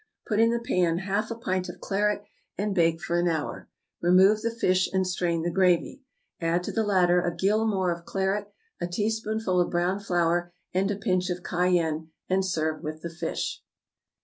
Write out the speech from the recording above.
Put in the pan half a pint of claret, and bake for an hour. Remove the fish, and strain the gravy; add to the latter a gill more of claret, a teaspoonful of brown flour, and a pinch of cayenne, and serve with the fish.